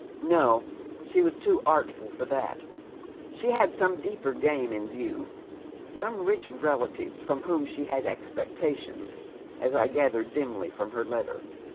No, she was too artful for that. She had some deeper game in view — some rich relative from whom she had expectations, as I gathered dimly from her letter.